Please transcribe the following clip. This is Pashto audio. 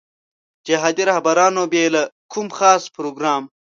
جهادي رهبرانو بې له کوم خاص پروګرام.